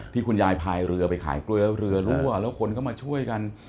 ที่คุณยายพายเรือไปขายเกลือเรือรั่วแล้วคนเข้ามาช่วยกัน